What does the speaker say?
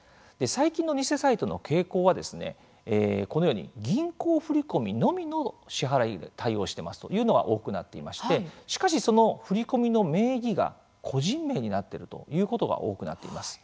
最近の偽サイトの傾向はこのように銀行振り込みのみの支払いで対応していますというのが多くなっていましてしかし、その振り込みの名義が個人名になっているということが多くなっています。